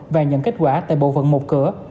và nhận kết quả tại bộ phận một cửa